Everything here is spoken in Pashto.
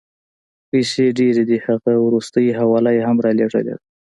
پیسې ډېرې دي، هغه وروستۍ حواله یې هم رالېږلې ده.